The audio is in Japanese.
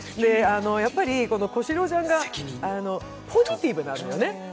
やっぱり小四郎ちゃんがポジティブなんだよね。